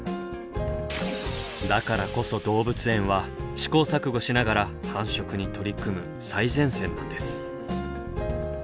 だからこそ動物園は試行錯誤しながら繁殖に取り組む最前線なんです。